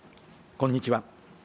こんにちは。